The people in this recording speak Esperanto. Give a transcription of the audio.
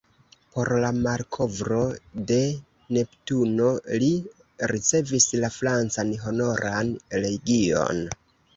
Por la malkovro de Neptuno li ricevis la francan Honoran Legion.